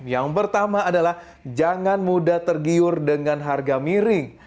yang pertama adalah jangan mudah tergiur dengan harga miring